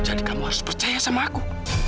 jadi kamu harus percaya sama aku